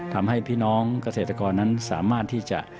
ทำให้พี่น้องเกษตรกรนั้นสามารถที่จะ